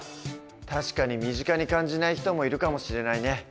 確かに身近に感じない人もいるかもしれないね。